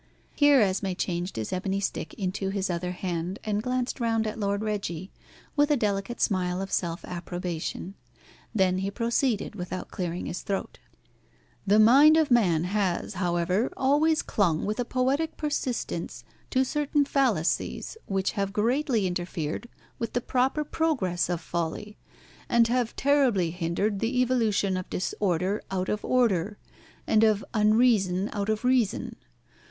Here Esmé changed his ebony stick into his other hand, and glanced round at Lord Reggie, with a delicate smile of self approbation. Then he proceeded, without clearing his throat. "The mind of man has, however, always clung with a poetic persistence to certain fallacies which have greatly interfered with the proper progress of folly, and have terribly hindered the evolution of disorder out of order, and of unreason out of reason.